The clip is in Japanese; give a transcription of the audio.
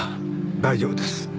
大丈夫です。